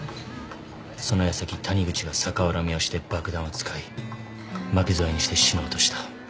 その矢先谷口が逆恨みをして爆弾を使い巻き添えにして死のうとした。